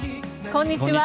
こんにちは。